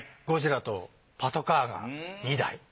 ゴジラとパトカーが２台。